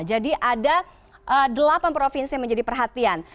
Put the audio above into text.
jadi ada delapan provinsi yang menjadi perhatian